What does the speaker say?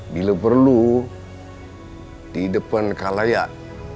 bila perlu di depan kalayak